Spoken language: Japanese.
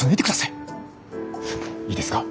いいですか。